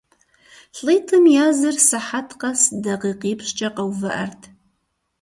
ЛӀитӀым языр сыхьэт къэс дакъикъипщӀкӀэ къэувыӀэрт.